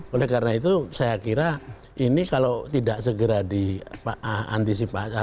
oleh karena itu saya kira ini kalau tidak segera diantisipasi